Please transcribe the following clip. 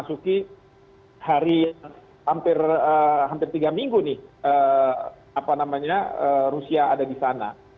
memasuki hari hampir tiga minggu nih apa namanya rusia ada di sana